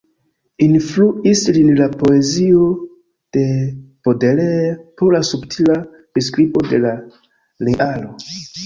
Influis lin la poezio de Baudelaire pro la subtila priskribo de la realo.